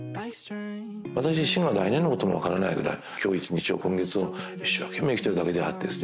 私自身が来年のことも分からないぐらい今日一日を今月を一生懸命生きてるだけであってですね